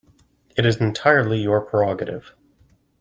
It is entirely your prerogative.